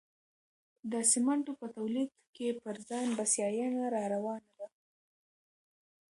د سمنټو په تولید کې پر ځان بسیاینه راروانه ده.